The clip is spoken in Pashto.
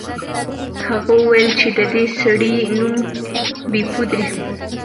هغه وویل چې د دې سړي نوم بیپو دی.